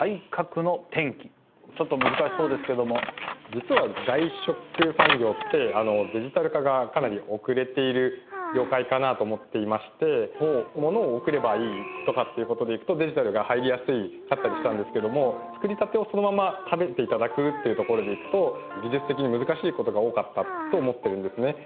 実は外食産業ってデジタル化がかなり遅れている業界かなと思っていましてものを送ればいいとかっていうことでいくとデジタルが入りやすかったりしたんですけども作りたてをそのまま食べていただくっていうところでいくと技術的に難しいことが多かったと思ってるんですね。